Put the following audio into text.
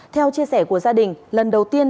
theo chia sẻ của gia đình lần đầu tiên